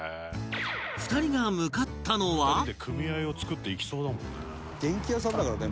２人が向かったのは富澤：２人で組合を作って行きそうだもんね。